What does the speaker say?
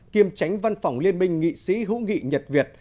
kiêm tránh văn phòng liên minh nghị sĩ hữu nghị nhật việt